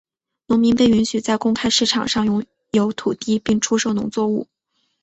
农民被允许在公开市场上拥有土地并出售农作物。